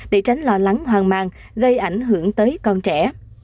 để tránh lo lắng hoang mang gây ảnh hưởng tới con trẻ